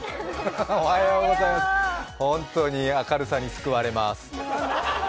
本当に明るさに救われます。